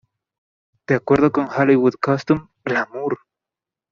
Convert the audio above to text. De acuerdo con Hollywood Costume: Glamour!